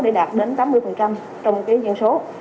để đạt đến tám mươi trong cái dân số